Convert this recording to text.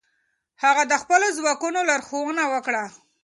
هغه د خپلو ځواکونو لارښوونه وکړه.